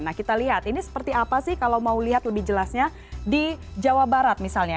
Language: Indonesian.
nah kita lihat ini seperti apa sih kalau mau lihat lebih jelasnya di jawa barat misalnya